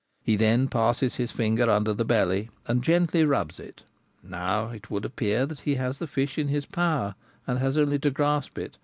He then passes his fingers under the belly and gently rubs it. Now it would appear that he has the fish in his power, and has only to grasp it.